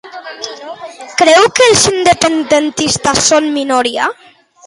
Creu que els independentistes són minoria?